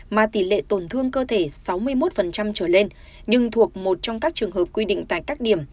mà tỷ lệ tổn thương cơ thể sáu mươi một trở lên nhưng thuộc một trong các trường hợp quy định tại các điểm